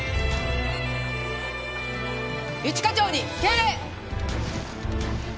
一課長に敬礼！